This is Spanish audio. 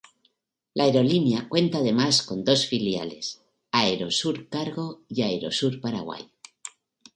La aerolínea cuenta además con dos filiales: AeroSur Cargo y Aerosur Paraguay.